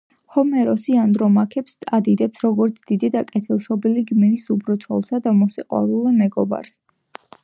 ჰომეროსი ანდრომაქეს ადიდებს, როგორც დიდი და კეთილშობილი გმირის უებრო ცოლსა და მოსიყვარულე მეგობარს.